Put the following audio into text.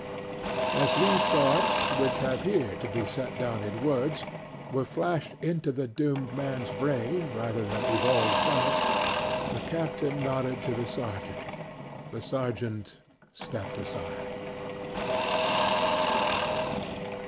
As these thoughts, which have here to be set down in words, were flashed into the doomed man's brain rather than evolved from it the captain nodded to the sergeant. The sergeant stepped aside.